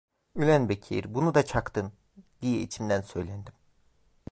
'Ülen Bekir, bunu da çaktın!' diye içimden söyledim.